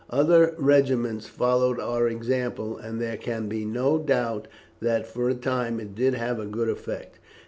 Other regiments followed our example, and there can be no doubt that, for a time, it did have a good effect.